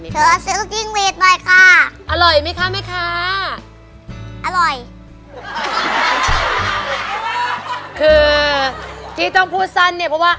เถกเถวเช้าซื้อจิ้งบีทหน่อยค่ะ